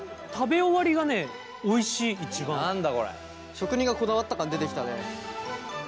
職人がこだわった感出てきたね。